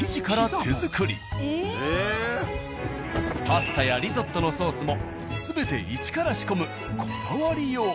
パスタやリゾットのソースも全て一から仕込むこだわりよう。